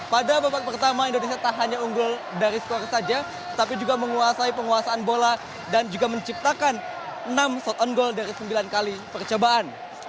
pada babak pertama indonesia tak hanya unggul dari skor saja tapi juga menguasai penguasaan bola dan juga menciptakan enam shot on goal dari sembilan kali percobaan